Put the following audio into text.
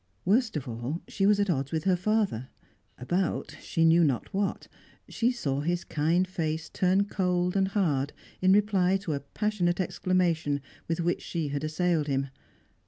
Worst of all, she was at odds with her father, about she knew not what; she saw his kind face turn cold and hard in reply to a passionate exclamation with which she had assailed him.